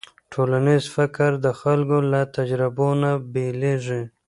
ټولنیز فکر د خلکو له تجربو نه بېلېږي.